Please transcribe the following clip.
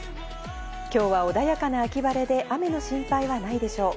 今日は穏やかな秋晴れで、雨の心配はないでしょう。